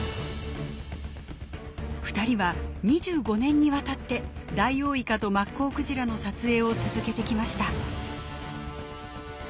２人は２５年にわたってダイオウイカとマッコウクジラの撮影を続けてきました。